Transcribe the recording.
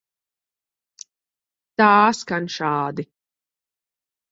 Tā skan šādi.